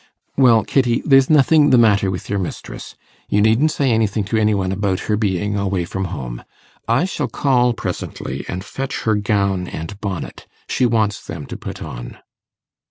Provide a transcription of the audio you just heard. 'Well, Kitty, there's nothing the matter with your mistress. You needn't say anything to any one about her being away from home. I shall call presently and fetch her gown and bonnet. She wants them to put on.